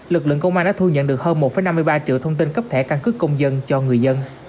lực lượng công an đã thu nhận được hơn một năm mươi ba triệu thông tin cấp thẻ căn cứ công dân cho người dân